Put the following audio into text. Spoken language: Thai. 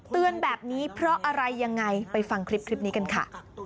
เตือนแบบนี้เพราะอะไรยังไงไปฟังคลิปนี้กันค่ะ